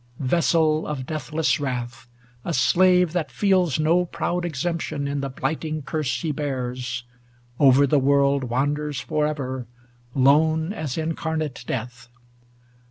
Vessel of deathless wrath, a slave that feeli No proud exemption in the blighting curse He bears, over the world wanders for ever, 680 Lone as incarnate death